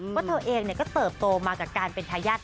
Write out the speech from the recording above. ว่าเธอเองเนี่ยก็เติบโตมากับการเป็นทะยัด